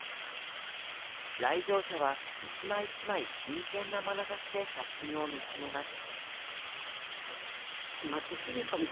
来場者は、１枚１枚、真剣なまなざしで写真を見つめます。